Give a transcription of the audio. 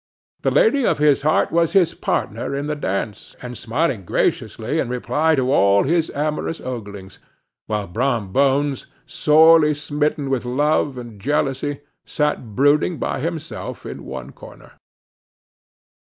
The lady of his heart was his partner in the dance, and smiling graciously in reply to all his amorous oglings; while Brom Bones, sorely smitten with love and jealousy, sat brooding by himself in one corner.